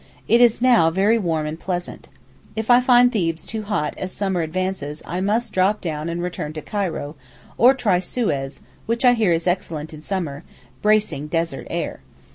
It is now very warm and pleasant. If I find Thebes too hot as summer advances I must drop down and return to Cairo, or try Suez, which I hear is excellent in summer—bracing desert air.